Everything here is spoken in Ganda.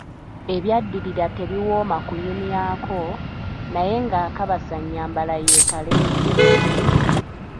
Ebyaddirira tebiwooma kunyumyako, naye ng‘akabasa nnyambala yeekaleese.